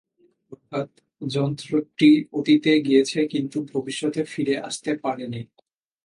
অর্থাৎ যন্ত্রটি অতীতে গিয়েছে কিন্তু ভবিষ্যতে ফিরে আসতে পারেনি।